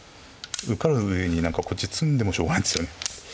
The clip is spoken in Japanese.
受かる上にこっち詰んでもしょうがないですよね。